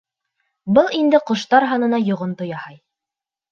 Был инде ҡоштар һанына йоғонто яһай.